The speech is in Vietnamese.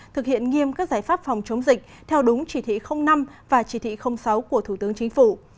thực hiện nghiêm các giải pháp phòng chống dịch theo đúng chỉ thị năm và chỉ thị sáu của thủ tướng chính phủ